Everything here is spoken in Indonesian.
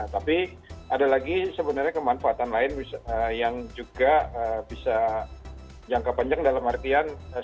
tapi ada lagi sebenarnya kemanfaatan lain yang juga bisa jangka panjang dalam artian